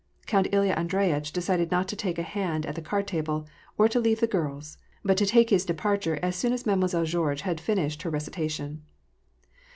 Count Ilya Andre yitch decided not to take a han^ at the card table, or to leave the girls, but to take his departure as soon as Mademoiselle Georges had finished her recitation.